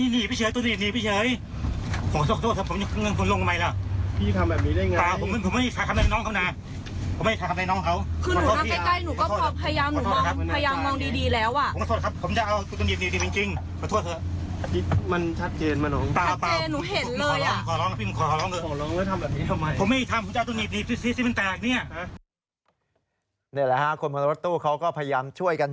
นี่แหละค่ะคนขับรถตู้เขาก็พยายามช่วยกัน